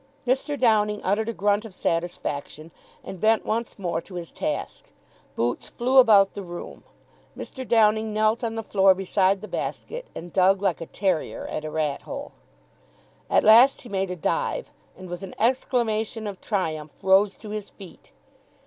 Mr. Downing uttered a grunt of satisfaction, and bent once more to his task. Boots flew about the room. Mr. Downing knelt on the floor beside the basket, and dug like a terrier at a rat hole. At last he made a dive, and, with an exclamation of triumph, rose to his feet.